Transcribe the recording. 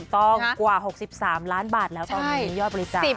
กว่า๖๓ล้านบาทแล้วตอนนี้ยอดบริจาค